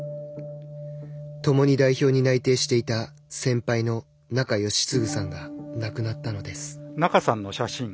ともに代表に内定していた先輩の仲喜嗣さんが亡くなったのです。